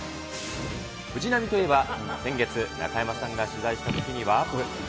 藤波といえば、先月、中山さんが取材したときには。